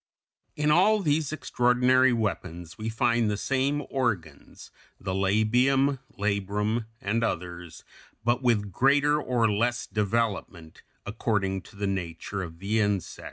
In all these extraordinary weapons we find the same organs, the labium, labrum, and others, but with greater or less development, according to the nature of the insect.